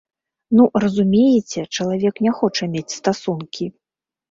Ну, разумееце, чалавек не хоча мець стасункі.